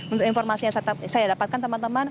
untuk informasi yang saya dapatkan teman teman